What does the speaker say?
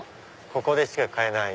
ここでしか買えない。